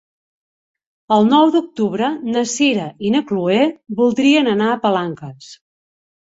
El nou d'octubre na Sira i na Chloé voldrien anar a Palanques.